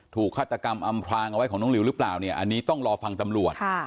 ฆาตกรรมอำพรางเอาไว้ของน้องหลิวหรือเปล่าเนี่ยอันนี้ต้องรอฟังตำรวจ